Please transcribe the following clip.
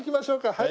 はい。